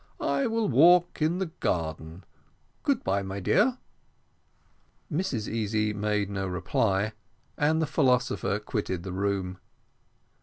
I will walk in the garden. Good bye, my dear." Mrs Easy made no reply, and the philosopher quitted the room.